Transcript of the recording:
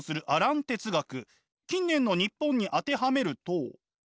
近年の日本に当てはめると。